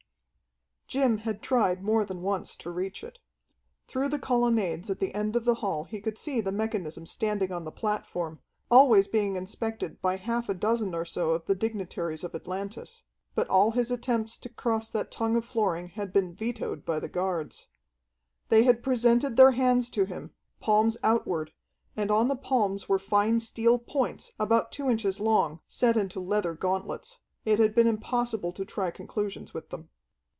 Jim had tried more than once to reach it. Through the colonnades at the end of the hall he could see the mechanism standing on the platform, always being inspected by half a dozen or so of the dignitaries of Atlantis. But all his attempts to cross that tongue of flooring had been vetoed by the guards. They had presented their hands to him, palms outward, and on the palms were fine steel points, about two inches long, set into leather gauntlets. It had been impossible to try conclusions with them.